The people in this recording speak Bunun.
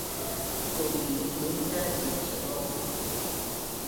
Tu’i’in ca ciciuq